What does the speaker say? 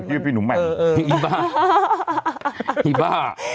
โอ๊ยไปแล้วอ่ะ